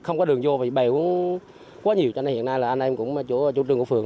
không có đường vô vì bèo quá nhiều cho nên hiện nay là anh em cũng chủ trương của phường